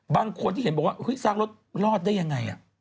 บางคนที่เห็นบอกว่าซากรถรอดได้ยังไง